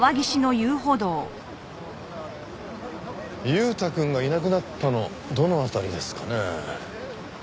悠太くんがいなくなったのどの辺りですかね？